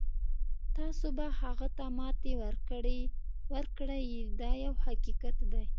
تاسو به هغه ته ماتې ورکړئ دا یو حقیقت دی.